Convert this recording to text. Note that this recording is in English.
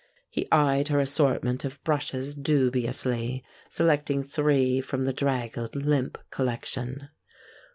He eyed her assortment of brushes dubiously, selecting three from the draggled limp collection.